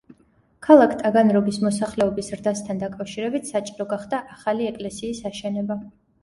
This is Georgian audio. ქალაქ ტაგანროგის მოსახლეობის ზრდასთან დაკავშირებით საჭირო გახდა ახალი ეკლესიის აშენება.